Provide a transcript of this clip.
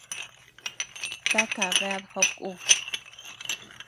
¿Taka bead jobeku?